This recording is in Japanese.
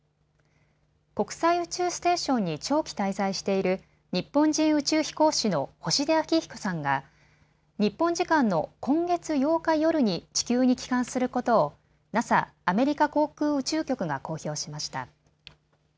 国際宇宙ステーションに長期滞在している日本人宇宙飛行士の星出彰彦さんが日本時間の今月８日夜に地球に帰還することをＮＡＳＡ・アメリカ航空宇宙局が公表しました。